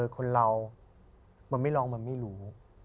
คนเรามันไม่ร้องมันไม่รู้